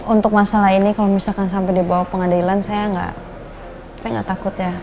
untuk masalah ini kalau misalkan sampai dibawa pengadilan saya nggak saya nggak takut ya